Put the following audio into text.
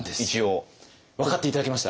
分かって頂けました？